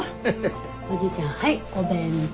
おじいちゃんはいお弁当。